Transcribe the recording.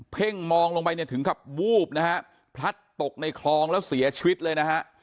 ่งมองลงไปเนี่ยถึงกับวูบนะฮะพลัดตกในคลองแล้วเสียชีวิตเลยนะฮะ